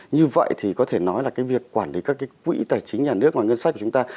như vậy thì có thể nói là cái việc quản lý các cái quỹ tài chính nhà nước và ngân sách của chúng ta